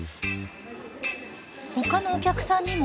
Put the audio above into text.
ほかのお客さんにも。